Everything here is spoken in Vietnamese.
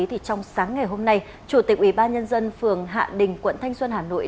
thì trong sáng ngày hôm nay chủ tịch ubnd phường hạ đình quận thanh xuân hà nội